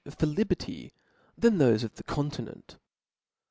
^^^ for liberty than thofe of the continent aed 6.